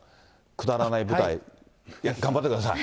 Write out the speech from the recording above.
くだらない舞台、頑張ってください。